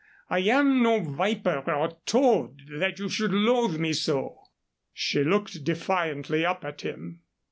I am no viper or toad that you should loathe me so." She looked defiantly up at him.